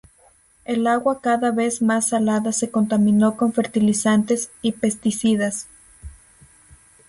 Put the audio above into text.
El agua cada vez más salada se contaminó con fertilizantes y pesticidas.